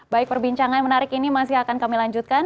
baik perbincangan menarik ini masih akan kami lanjutkan